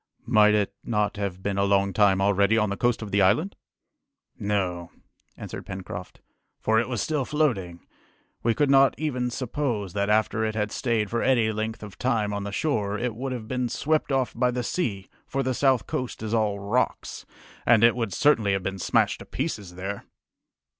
"Might it not have been a long time already on the coast of the island?" "No," answered Pencroft, "for it was still floating. We could not even suppose that after it had stayed for any length of time on the shore, it would have been swept off by the sea, for the south coast is all rocks, and it would certainly have been smashed to pieces there!"